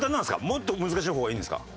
もっと難しい方がいいんですか？